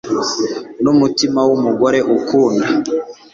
numutima wumugore ukunda